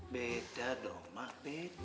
beda dong ma beda